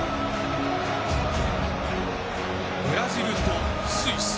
ブラジルとスイス。